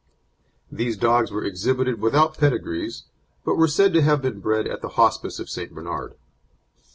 These dogs were exhibited without pedigrees, but were said to have been bred at the Hospice of St. Bernard.